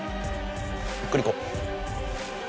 ゆっくり行こう！